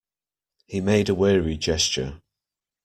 He made a weary gesture.